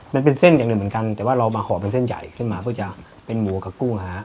มันเป็นเส้นอย่างหนึ่งเหมือนกันแต่ว่าเรามาห่อเป็นเส้นใหญ่ขึ้นมาเพื่อจะเป็นหมูกับกุ้งฮะ